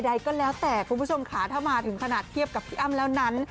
ใดก็แล้วแต่คุณผู้ชมค่ะถ้ามาถึงขนาดเทียบกับพี่อ้ำแล้วนั้น